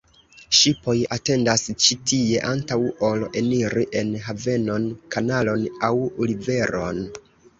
Ŝipoj atendas ĉi tie antaŭ ol eniri en havenon, kanalon aŭ riveron.